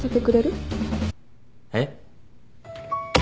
えっ？